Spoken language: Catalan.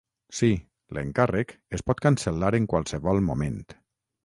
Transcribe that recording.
Sí, l'encàrrec es pot cancel·lar en qualsevol moment.